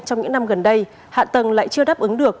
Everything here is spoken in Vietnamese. trong những năm gần đây hạ tầng lại chưa đáp ứng được